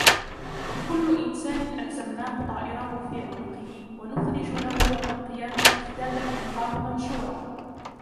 وكل إنسان ألزمناه طائره في عنقه ونخرج له يوم القيامة كتابا يلقاه منشورا